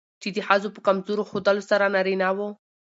چې د ښځو په کمزور ښودلو سره نارينه وو